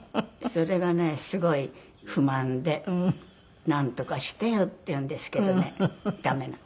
それがねすごい不満で「なんとかしてよ」って言うんですけどね駄目なの。